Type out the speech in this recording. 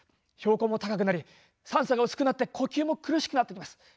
標高も高くなり酸素が薄くなって呼吸も苦しくなってきます。